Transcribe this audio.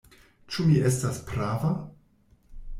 Ĉu mi estas prava?"